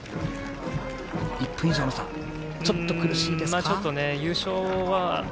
１分以上の差はちょっと苦しいですか。